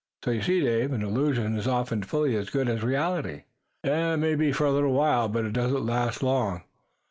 So you see, Dave, an illusion is often fully as good as reality." "It may be for a little while, but it doesn't last as long.